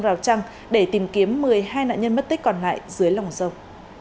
các lực lượng đã tìm kiếm một mươi hai nạn nhân mất tích còn lại dưới lòng sông